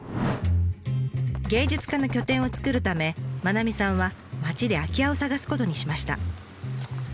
芸術家の拠点を作るため愛さんは町で空き家を探すことにしました。